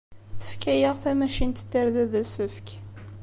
Tefka-aɣ tamacint n tarda d asefk.